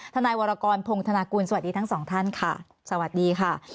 ทนายวรากรพงธนากุลสวัสดีทั้งสองท่านค่ะ